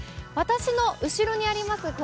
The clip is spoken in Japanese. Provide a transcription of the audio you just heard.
私の後ろにあります